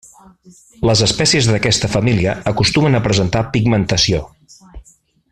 Les espècies d'aquesta família acostumen a presentar pigmentació.